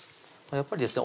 やっぱりですね